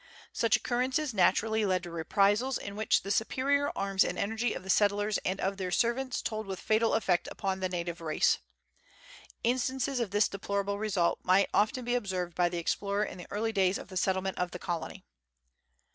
Such occurrences naturally led to reprisals, in which the superior arms and energy of the settlers and of their servants told with fatal effect upon the native race. Instances of this deplorable result might often be observed by the explorer in the early days of the settlement of the colony.